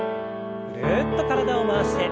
ぐるっと体を回して。